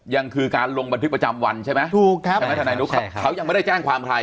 ยังคือการลงบันทึกประจำวันใช่ไหมถูกครับเขายังไม่ได้แจ้งความใคร